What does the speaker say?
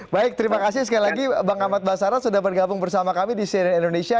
baik terima kasih sekali lagi bang ahmad basara sudah bergabung bersama kami di cnn indonesia